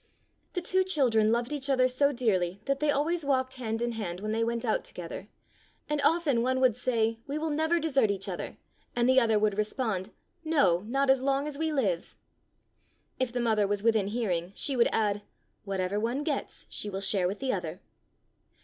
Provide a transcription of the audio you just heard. The two children loved each other so dearly that they always walked hand in hand when they went out together, and often 34 Fairy Tale Bears one would say, "We will never desert each other," and the other would respond, "No, not as long as we live." If the mother was within hearing she would add, "Whatever one gets she will share with the other."